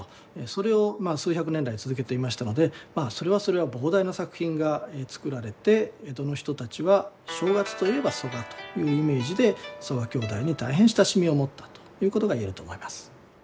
それを数百年来続けていましたのでそれはそれは膨大な作品が作られて江戸の人たちは「正月といえば曽我」というイメージで曽我兄弟に大変親しみを持ったということが言えると思います。